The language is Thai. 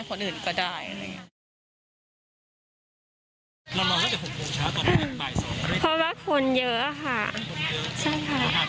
ก็รู้สึกว่าเราเสี่ยง